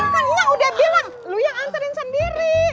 kan nga udah bilang lu yang anterin sendiri